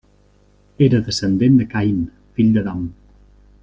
Era descendent de Caín, fill d'Adam.